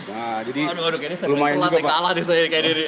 nah jadi lumayan juga pak